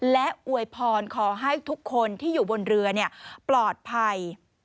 และอวยพรขอให้ทุกคนที่อยู่บนเรือปลอดภัย